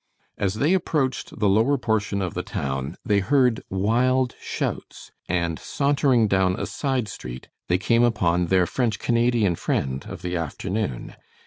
As they approached the lower portion of the town they heard wild shouts, and sauntering down a side street, they came upon their French Canadian friend of the afternoon.